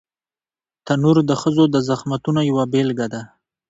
تنور د ښځو د زحمتونو یوه بېلګه ده